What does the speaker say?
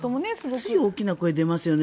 つい大きな声出ますよね。